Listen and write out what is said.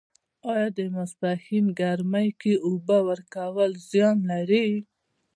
آیا د ماسپښین ګرمۍ کې اوبه ورکول زیان لري؟